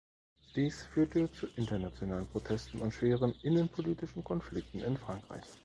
Dies führte zu internationalen Protesten und schweren innenpolitischen Konflikten in Frankreich.